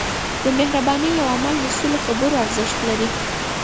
د مهربانۍ یو عمل د سلو خبرو ارزښت لري.